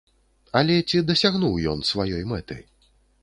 Але ці дасягнуў ён сваёй мэты?